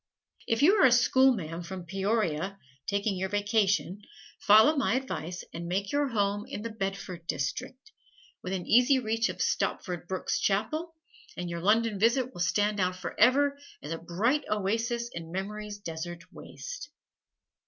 If you are a schoolma'am from Peoria, taking your vacation, follow my advice and make your home in the "Bedford District," within easy reach of Stopford Brooke's chapel, and your London visit will stand out forever as a bright oasis in memory's desert waste.